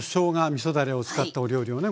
みそだれを使ったお料理をね